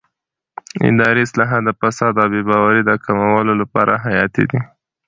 اداري اصلاحات د فساد او بې باورۍ د کمولو لپاره حیاتي دي